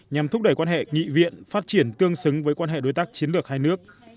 nhằm thúc đẩy quan hệ nghị viện phát triển tương xứng với quan hệ đối tác chiến lược hai nước